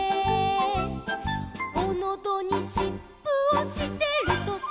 「おのどにしっぷをしてるとさ」